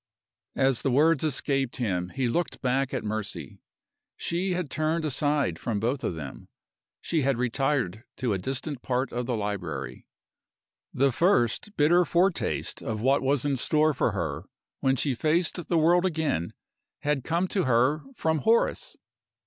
As the words escaped him he looked back at Mercy. She had turned aside from both of them she had retired to a distant part of the library The first bitter foretaste of what was in store for her when she faced the world again had come to her from Horace!